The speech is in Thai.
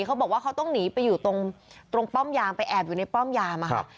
เขาบอกว่าเขาต้องหนีไปอยู่ตรงป้อมยามไปแอบอยู่ในป้อมยามค่ะ